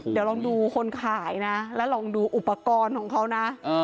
เดี๋ยวลองดูคนขายนะแล้วลองดูอุปกรณ์ของเขานะ